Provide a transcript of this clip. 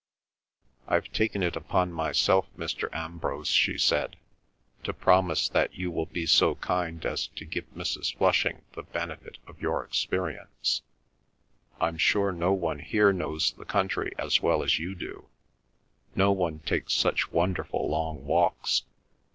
"I've taken it upon myself, Mr. Ambrose," she said, "to promise that you will be so kind as to give Mrs. Flushing the benefit of your experience. I'm sure no one here knows the country as well as you do. No one takes such wonderful long walks.